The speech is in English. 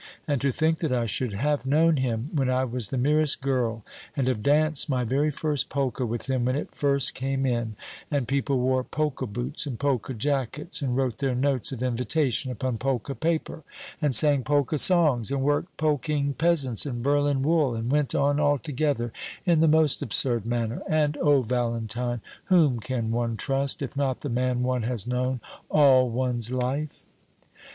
And to think that I should have known him when I was the merest girl, and have danced my very first polka with him when it first came in, and people wore polka boots and polka jackets, and wrote their notes of invitation upon polka paper, and sang polka songs, and worked polking peasants in Berlin wool, and went on altogether in the most absurd manner. And O Valentine, whom can one trust, if not the man one has known all one's life!"